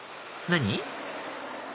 何？